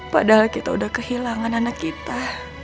padahal kita udah kehilangan anak kita